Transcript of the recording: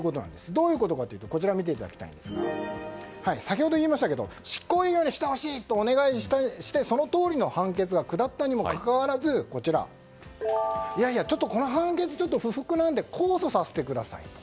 どういうことかというと先ほども言いましたけど執行猶予にしてくださいとお願いして、そのとおりの判決が下ったにもかかわらずいやいや、この判決は不服なので控訴させてくださいと。